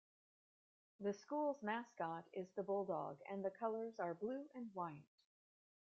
The school's mascot is the Bulldog, and the colors are blue and white.